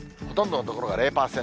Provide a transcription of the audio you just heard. ほとんどの所が０％。